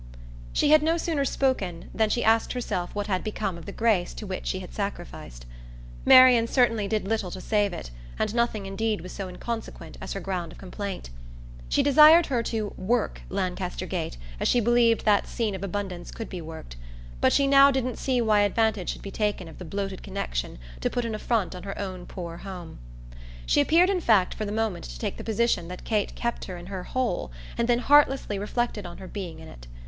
She had no sooner spoken than she asked herself what had become of the grace to which she had sacrificed. Marian certainly did little to save it, and nothing indeed was so inconsequent as her ground of complaint. She desired her to "work" Lancaster Gate as she believed that scene of abundance could be worked; but she now didn't see why advantage should be taken of the bloated connexion to put an affront on her own poor home. She appeared in fact for the moment to take the position that Kate kept her in her "hole" and then heartlessly reflected on her being in it.